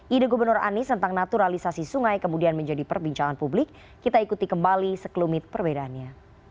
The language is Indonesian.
ide gubernur anies tentang naturalisasi sungai kemudian menjadi perbincangan publik kita ikuti kembali sekelumit perbedaannya